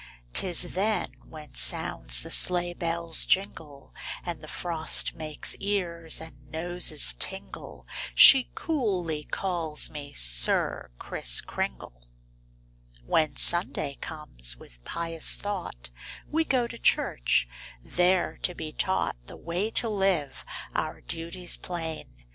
'Tis then when sounds the sleigh bell's jingle And the frost makes ears and noses tingle, She coolly calls me 'Sir Kriss Kringle.'" Copyrighted, 18U7 c^^aHEN Sunday comes, with pious thought We go to church, there to be taught The way to live, our duties plain.